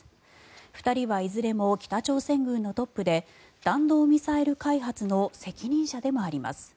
２人はいずれも北朝鮮軍のトップで弾道ミサイル開発の責任者でもあります。